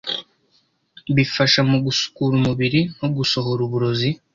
bifasha mu gusukura umubiri no gusohora uburozi